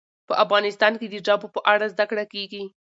په افغانستان کې د ژبو په اړه زده کړه کېږي.